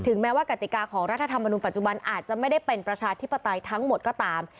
แม้ว่ากติกาของรัฐธรรมนุนปัจจุบันอาจจะไม่ได้เป็นประชาธิปไตยทั้งหมดก็ตาม